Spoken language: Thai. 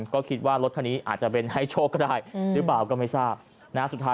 ก็คิดว่ารถคันนี้อาจจะเป็นให้โชคก็ได้หรือเปล่าก็ไม่ทราบนะฮะ